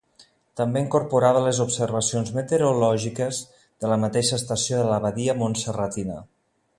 També incorporava les observacions meteorològiques de la mateixa estació de l’abadia montserratina.